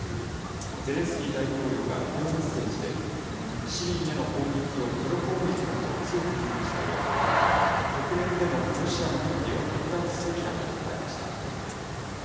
ゼレンスキー大統領がビデオメッセージで、市民への攻撃をテロ攻撃だと強く非難したうえで、国連でのロシアの権利を剥奪すべきだと訴えました。